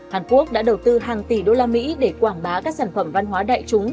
hàn quốc đã đầu tư hàng tỷ đô la mỹ để quảng bá các sản phẩm văn hóa đại chúng